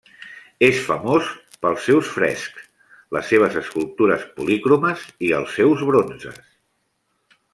És famós pels seus frescs, les seves escultures policromes i els seus bronzes.